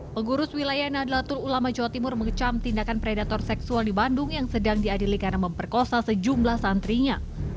pengurus wilayah nadlatul ulama jawa timur mengecam tindakan predator seksual di bandung yang sedang diadili karena memperkosa sejumlah santrinya